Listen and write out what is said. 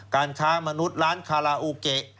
การค้ามนุษย์ร้านคาราโอเกะ